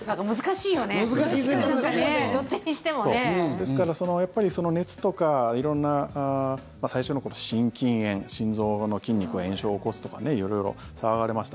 ですから、熱とか色んな最初の頃、心筋炎心臓の筋肉が炎症を起こすとか色々騒がれました。